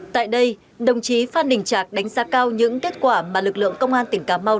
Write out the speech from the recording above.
tại đây đồng chí phan đình trạc đánh giá cao những kết quả mà lực lượng công an tỉnh cà mau